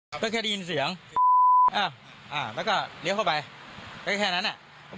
อ่ามาต้องกระอดรถก็ไปแล้วแค่นั้นแหละ